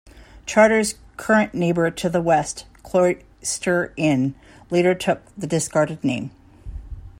Charter's current neighbor to the west, Cloister Inn, later took the discarded name.